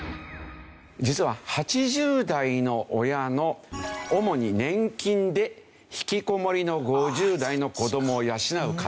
実は８０代の親の主に年金でひきこもりの５０代の子どもを養う家庭の事。